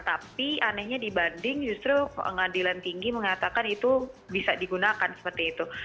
tapi anehnya dibanding justru pengadilan tinggi mengatakan itu bisa digunakan seperti itu